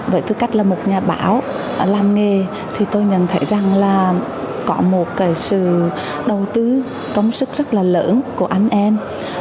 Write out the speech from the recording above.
với tư cách là một nhà báo làm nghề thì tôi nhận thấy rằng là có một sự đầu tư công sức rất là lớn của anh em